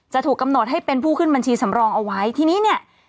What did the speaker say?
จะถูกกำหนดให้เป็นผู้ขึ้นบัญชีสำรองเอาไว้ทีนี้เนี่ย